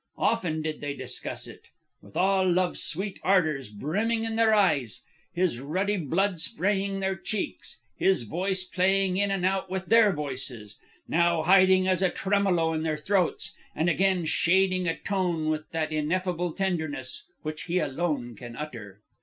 Often did they discuss it, with all Love's sweet ardours brimming in their eyes; his ruddy blood spraying their cheeks; his voice playing in and out with their voices, now hiding as a tremolo in their throats, and again shading a tone with that ineffable tenderness which he alone can utter.